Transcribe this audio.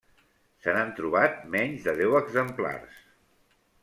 Se n'han trobat menys de deu exemplars.